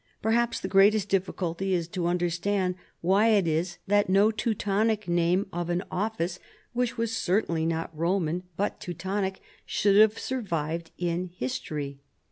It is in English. Per haps the greatest difficulty is to understand why it is that no Teutonic name of an office which Avas certainly not Roman but Teutonic should have survived in his tory.